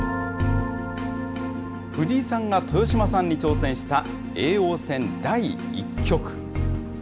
藤井さんが豊島さんに挑戦した叡王戦第１局。